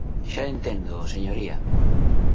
¡Xa entendo, señoría!